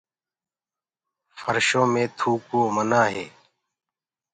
ڦرشو مي ٿوڪوو منآ هي۔